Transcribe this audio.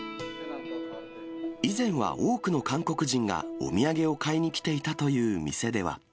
以前は多くの韓国人がお土産を買いに来ていたという店では。